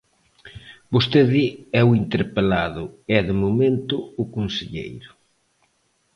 Vostede é o interpelado e, de momento, o conselleiro.